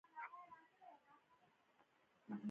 وبخښه زه لږ وخته پاڅېږم.